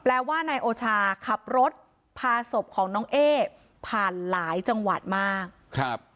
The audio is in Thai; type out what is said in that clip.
แปลว่านายโอชาขับรถพาศพของน้องเอ๊ผ่านหลายจังหวัดมากครับ